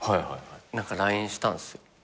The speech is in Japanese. ＬＩＮＥしたんすよ。